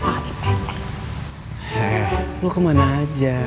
heh lu kemana aja